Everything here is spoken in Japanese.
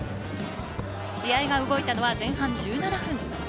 試合が動いたのは前半１７分。